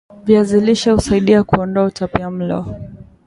viazi lishe husaidia kuondoa utapiamlo